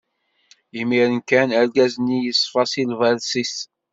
Imiren kan, argaz-nni yeṣfa si lberṣ-is.